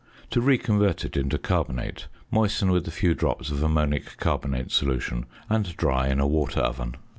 To reconvert it into carbonate, moisten with a few drops of ammonic carbonate solution, and dry in a water oven.